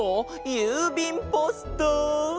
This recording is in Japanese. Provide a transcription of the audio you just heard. ゆうびんポスト。